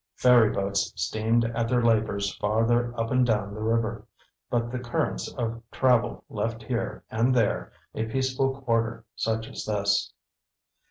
Ferry boats steamed at their labors farther up and down the river, but the currents of travel left here and there a peaceful quarter such as this.